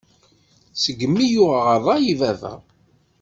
Seg-mi i yuɣeɣ ṛṛay i baba.